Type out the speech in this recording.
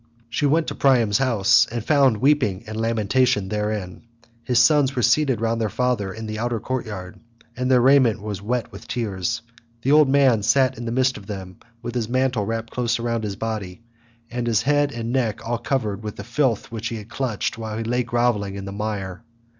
She went to Priam's house, and found weeping and lamentation therein. His sons were seated round their father in the outer courtyard, and their raiment was wet with tears: the old man sat in the midst of them with his mantle wrapped close about his body, and his head and neck all covered with the filth which he had clutched as he lay grovelling in the mire.